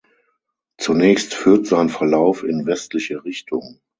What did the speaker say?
Zunächst führt sein Verlauf in westliche Richtung.